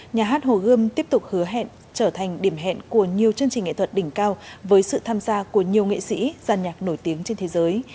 nhà hát hồ gươm tiếp tục hứa hẹn trở thành điểm hẹn của nhiều chương trình nghệ thuật đỉnh cao với sự tham gia của nhiều nghệ sĩ giàn nhạc nổi tiếng trên thế giới